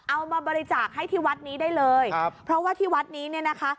เอามาบริจาคให้ที่วัดนี้ได้เลยครับเพราะว่าที่วัดนี้เนี่ยนะคะ